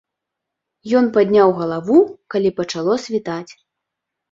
Ён падняў галаву, калі пачало світаць.